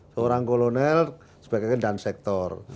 seorang kolonel sebagai dan sektor